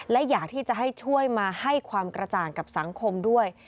และอยากที่จะให้ช่วยมาให้ความกระจ่างกับสังคมด้วย